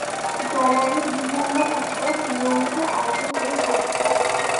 Gallery বিভিন্ন উৎসব নিয়মিত আয়োজন করে থাকে।